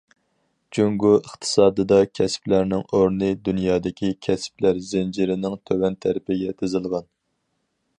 جۇڭگو ئىقتىسادىدا كەسىپلەرنىڭ ئورنى دۇنيادىكى كەسىپلەر زەنجىرىنىڭ تۆۋەن تەرىپىگە تىزىلغان.